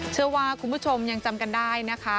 เชื่อว่าคุณผู้ชมยังจำกันได้นะคะ